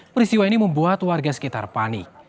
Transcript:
peristiwa ini membuat warga sekitar panik